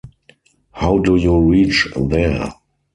How do you reach there?